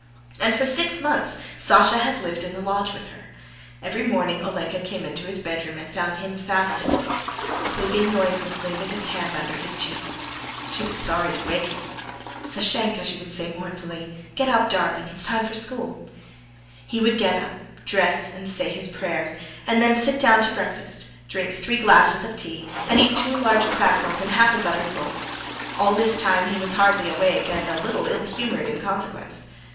And for six months Sasha had lived in the lodge with her. Every morning Olenka came into his bedroom and found him fast asleep, sleeping noiselessly with his hand under his cheek. She was sorry to wake him. "Sashenka," she would say mournfully, "get up, darling. It's time for school." He would get up, dress and say his prayers, and then sit down to breakfast, drink three glasses of tea, and eat two large cracknels and a half a buttered roll. All this time he was hardly awake and a little ill humoured in consequence.